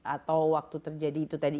atau waktu terjadi itu tadi